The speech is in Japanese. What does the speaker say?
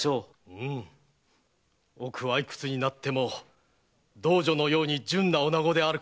うむ奥はいくつになっても童女のように純なおなごなのだ。